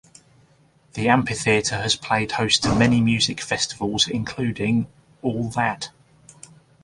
The amphitheatre has played host to many music festivals, including All That!